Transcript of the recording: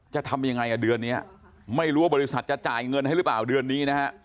จะทำยังไงอ่ะเดือนนี้ไม่รู้ว่าบริษัทจะจ่ายเงินให้หรือเปล่าเดือนนี้นะฮะ